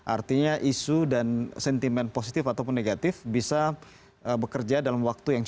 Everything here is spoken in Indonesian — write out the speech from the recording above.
artinya isu dan sentimen positif ataupun negatif bisa bekerja dalam waktu yang cukup